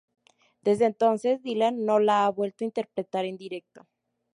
Desde entonces, Dylan no la ha vuelto a interpretar en directo.